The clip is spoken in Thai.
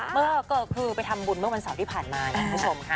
เมื่อคืนคือไปทำบุญเมื่อวันเสาร์ที่ผ่านมาเนี่ยคุณผู้ชมค่ะ